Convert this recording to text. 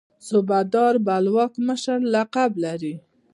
صوبه دار بلوک مشر لقب لري.